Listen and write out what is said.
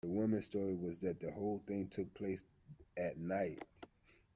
The woman's story was that the whole thing took place at night